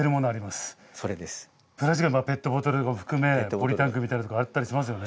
ペットボトルを含めポリタンクみたいのとかあったりしますよね。